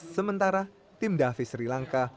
sementara tim davis sri lanka